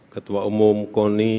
ketua umum koni